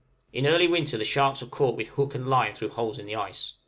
In early winter the sharks are caught with hook and line through holes in the ice.